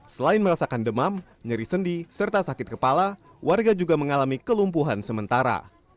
selain merasakan demam nyeri sendi serta sakit kepala warga juga mengalami kelumpuhan sementara